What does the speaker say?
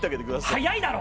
早いだろ！